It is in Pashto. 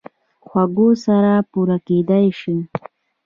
خوړو سره پوره کېدای شي